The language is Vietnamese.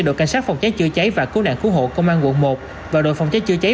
đội cảnh sát phòng cháy chữa cháy và cứu nạn cứu hộ công an quận một và đội phòng cháy chữa cháy